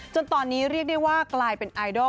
จนตอนนี้เรียกได้ว่ากลายเป็นไอดอล